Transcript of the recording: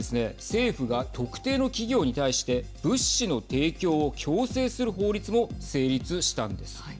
政府が特定の企業に対して物資の提供を強制する法律も成立したんです。